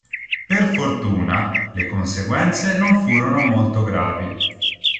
Per fortuna, le conseguenze non furono molto gravi.